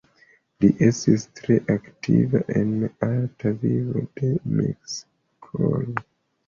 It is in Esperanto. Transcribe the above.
Li estis tre aktiva en arta vivo de Miskolc.